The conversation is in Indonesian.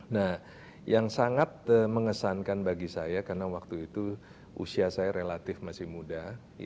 nah yang sangat mengesankan bagi saya karena waktu itu usia saya relatif masih muda